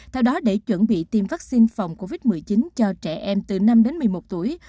theo đó để chuẩn bị tiêm vaccine phòng covid một mươi chín cho trẻ em từ năm đến một mươi một tuổi